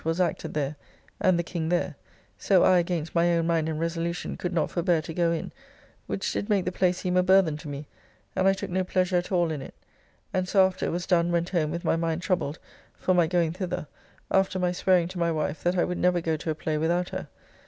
] was acted there, and the King there; so I, against my own mind and resolution, could not forbear to go in, which did make the play seem a burthen to me, and I took no pleasure at all in it; and so after it was done went home with my mind troubled for my going thither, after my swearing to my wife that I would never go to a play without her.